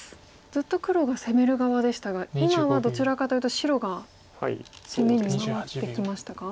ずっと黒が攻める側でしたが今はどちらかというと白が攻めに回ってきましたか？